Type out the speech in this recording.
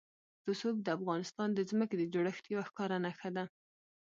رسوب د افغانستان د ځمکې د جوړښت یوه ښکاره نښه ده.